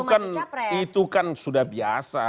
itu kan sudah biasa